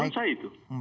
baik saya itu